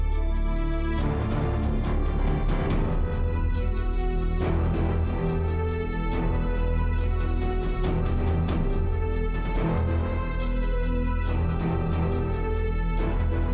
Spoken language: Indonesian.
kami semua berdoa